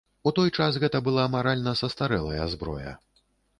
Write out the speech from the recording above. У той час гэта была маральна састарэлая зброя.